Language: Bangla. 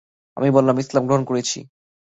আমি বললাম, ইসলাম ধর্ম গ্রহণ করেছি।